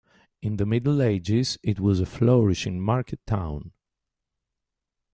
In the Middle Ages it was a flourishing market town.